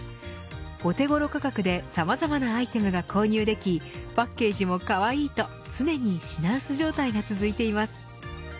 お手ごろ価格でさまざまなアイテムが購入できパッケージもかわいいと常に品薄状態が続いています。